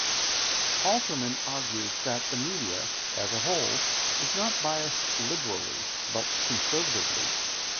Alterman argues that the media, as a whole, is not biased liberally, but conservatively.